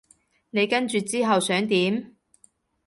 你跟住之後想點？